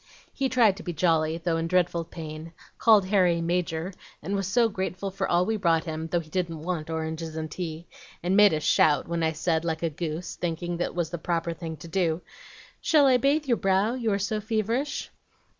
He tried to be jolly, though in dreadful pain; called Harry 'Major,' and was so grateful for all we brought him, though he didn't want oranges and tea, and made us shout when I said, like a goose, thinking that was the proper thing to do, 'Shall I bathe your brow, you are so feverish?'